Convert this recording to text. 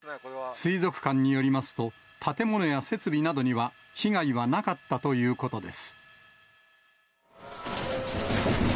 水族館によりますと、建物や設備などには、被害はなかったということです。